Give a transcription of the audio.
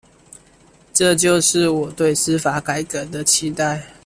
這就是我對司法改革的期待